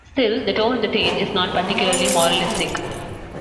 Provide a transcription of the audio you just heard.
Still, the tone of the tale is not particularly moralistic.